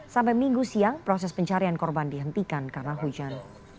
sampai minggu siang proses pencarian korban dihentikan karena hujan